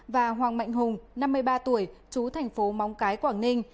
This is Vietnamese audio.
và hoàng mạnh hùng năm mươi ba tuổi chú thành phố móng cái quảng ninh